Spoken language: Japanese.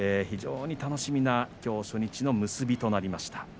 非常に楽しみなきょう初日の結びとなりました。